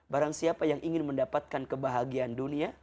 barang siapa yang ingin mendapatkan kebahagiaan dunia